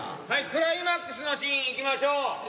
はいクライマックスのシーンいきましょう。